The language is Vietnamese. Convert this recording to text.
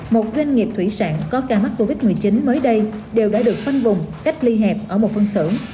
một doanh nghiệp thủy sản có ca mắc covid một mươi chín mới đây đều đã được khoanh vùng cách ly hẹp ở một phân xưởng